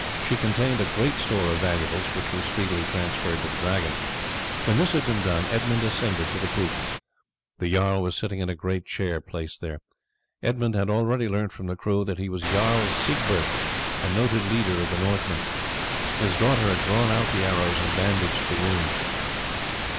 She contained a great store of valuables, which were speedily transferred to the Dragon. When this had been done Edmund ascended to the poop. The jarl was sitting in a great chair placed there. Edmund had already learnt from the crew that he was Jarl Siegbert, a noted leader of the Northmen. His daughter had drawn out the arrows and bandaged the wounds.